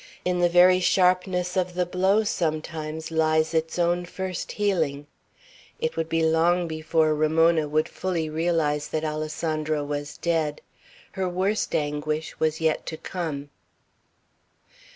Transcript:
In the very sharpness of the blow sometimes lies its own first healing. It would be long before Ramona would fully realize that Alessandro was dead. Her worst anguish was yet to come.